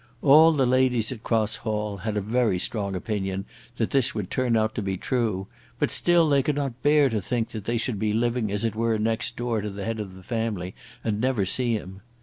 All the ladies at Cross Hall had a very strong opinion that this would turn out to be true, but still they could not bear to think that they should be living as it were next door to the head of the family, and never see him.